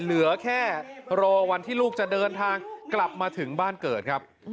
เหลือแค่รอวันที่ลูกจะเดินทางกลับมาถึงบ้านเกิดครับ